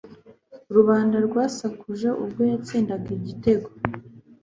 Rubanda rwasakuje ubwo yatsindaga igitego